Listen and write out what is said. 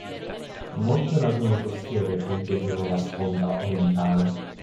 Molte lagune costiere punteggiano la sponda orientale.